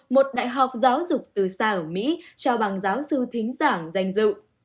một đại học giáo dục từ xa ở mỹ trao bằng giáo sư thính giảng danh dự